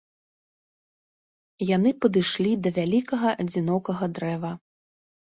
Яны падышлі да вялікага адзінокага дрэва.